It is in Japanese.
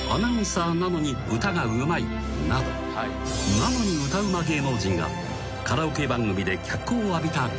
［なのに歌うま芸能人がカラオケ番組で脚光を浴びた時代だった］